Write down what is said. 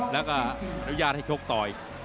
แล้วก็อนุญาตให้ชกต่ออีก